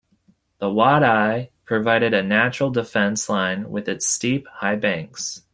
The wadi provided a natural defence line with its steep, high banks.